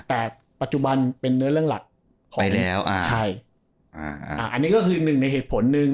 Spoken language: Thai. แต่ปัจจุบันเป็นเนื้อเรื่องหลักของแล้วอ่าใช่อ่าอ่าอันนี้ก็คือหนึ่งในเหตุผลหนึ่ง